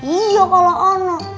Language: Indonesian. iya kalau ono